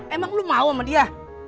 emang lo mau sama dia